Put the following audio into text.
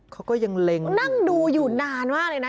เขาก็ยังเล็งนั่งดูอยู่นานมากเลยนะ